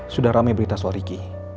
sudah rame berita soal ricky